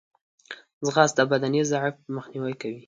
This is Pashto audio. ځغاسته د بدني ضعف مخنیوی کوي